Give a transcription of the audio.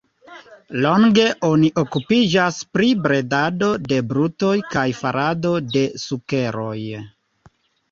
Longe oni okupiĝis pri bredado de brutoj kaj farado de sukeroj.